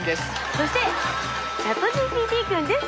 そしてＣｈａｔＧＰＴ君です。